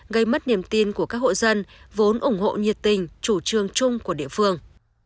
gây mất niềm tin của các hộ dân vốn ủng hộ nhiệt tình chủ trương chung của địa phương